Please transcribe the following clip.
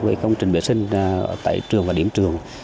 về công trình vệ sinh tại trường và điểm trường